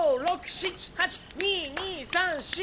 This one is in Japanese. ７、８２、２、３、４、５、６。